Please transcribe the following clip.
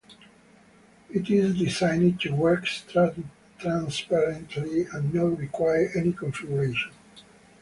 It is designed to work transparently and not require any configuration.